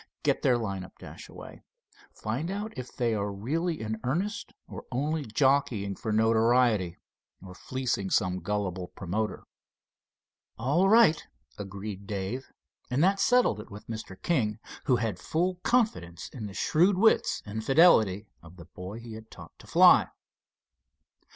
Get their line up, Dashaway. Find out if they are really in earnest, or only jockeying for notoriety, or fleecing some gullible promoter." "All right," agreed Dave; and that settled it with Mr. King, who had full confidence in the shrewd wits and fidelity of the boy he had taught to fly.